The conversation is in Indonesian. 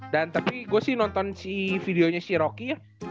dan tapi gue sih nonton si videonya si rocky ya